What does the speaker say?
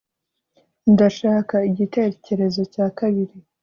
ndashaka igitekerezo cya kabiri